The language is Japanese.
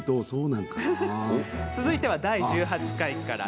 続いては、第１８回から。